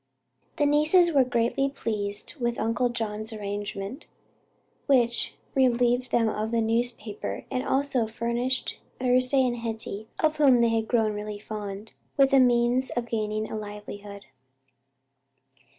The nieces were greatly pleased with Uncle John's arrangement, which relieved them of the newspaper and also furnished Thursday and Hetty, of whom they had grown really fond, with a means of gaining a livelihood.